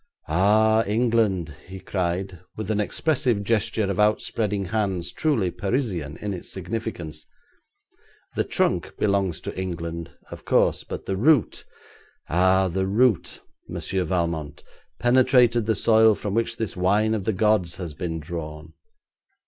'Ah, England!' he cried, with an expressive gesture of outspreading hands truly Parisian in its significance. 'The trunk belongs to England, of course, but the root ah! the root Monsieur Valmont, penetrated the soil from which this wine of the gods has been drawn.'